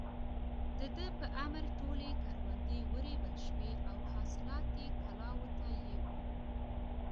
د ده په امر ټولې کروندې ورېبل شوې او حاصلات يې کلاوو ته يووړل.